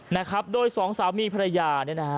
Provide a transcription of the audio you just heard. นะครับด้วยสองสามีภรรยานะฮะ